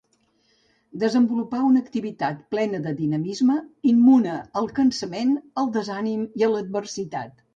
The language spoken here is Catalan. Desenvolupà una activitat plena de dinamisme, immune al cansament, al desànim i a l'adversitat.